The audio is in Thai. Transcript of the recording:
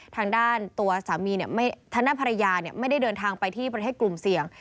ทางด้านตัวสามีทางด้านภรรยาไม่ได้เดินทางไปที่ประเทศกลุ่มเสี่ยง